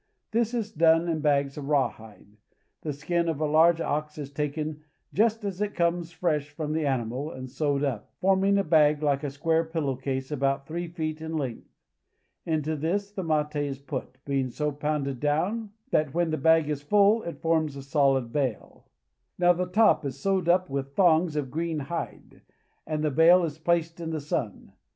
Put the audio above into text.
This is done in bags of rawhide. The skin of a large ox is taken just as it comes fresh from the animal, and sewed up, forming a bag like a square pillowcase about three feet in length. Into this the mate is put, being so pounded down that when the bag is full it forms a solid bale. Now the top is sewed up with thongs of green hide, and the bale is placed in the sun.